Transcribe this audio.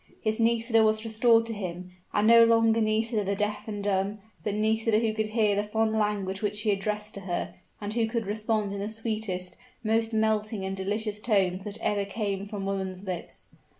His Nisida was restored to him, and no longer Nisida the deaf and dumb, but Nisida who could hear the fond language which he addressed to her, and who could respond in the sweetest, most melting and delicious tones that ever came from woman's lips.